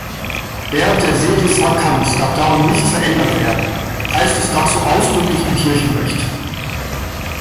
Während der Sedisvakanz darf darum nichts verändert werden, heißt es dazu ausdrücklich im Kirchenrecht.